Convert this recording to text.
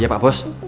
iya pak pos